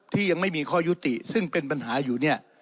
ที่ยังไม่มีข้อยุติซึ่งเป็นปัญหาอยู่เนี่ย